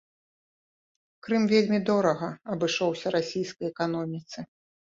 Крым вельмі дорага абышоўся расійскай эканоміцы.